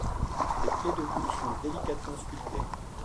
Les clés de voûte sont délicatement sculptées.